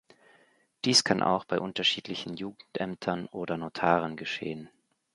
Dies kann auch bei unterschiedlichen Jugendämtern oder Notaren geschehen.